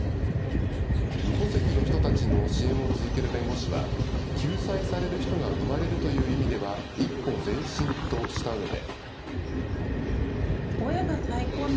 無戸籍の人たちの支援を続ける弁護士は、救済される人が生まれるという意味では一歩前進としたうえで。